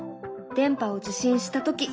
「電波を受信したとき」。